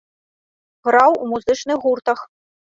Граў у музычных гуртах.